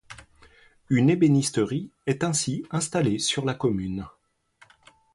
Une ébénisterie est ainsi installée sur la commune.